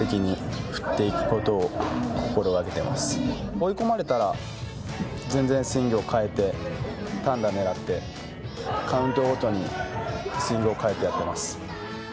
追い込まれたら全然スイングを変えて単打狙ってカウントごとにスイングを変えてやってます。